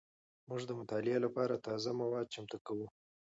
موږ د مطالعې لپاره تازه مواد چمتو کوو.